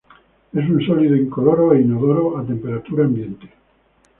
Es un sólido incoloro e inodoro a temperatura ambiente.